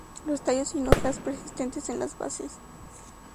Los tallos sin hojas persistentes en las bases.